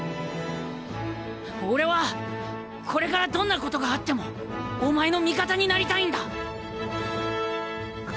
俺はこれからどんなことがあってもお前の味方になりたいんだ！